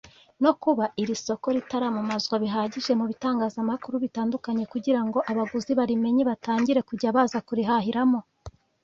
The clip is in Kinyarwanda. no kuba iri soko ritaramamazwa bihagije mu bitangazamakuru bitandukanye kugirango abaguzi barimenye batangire kujya baza kurihahiramo